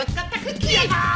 やったー！